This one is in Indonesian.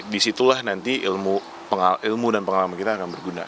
disitulah nanti ilmu dan pengalaman kita akan berguna